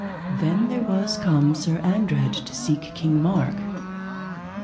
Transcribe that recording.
Then there was come Sir Andred to seek King Mark.